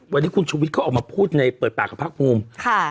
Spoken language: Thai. วันนี้คุณชุวิตเขาออกมาพูดในเปิดปากกับภาคภูมิค่ะ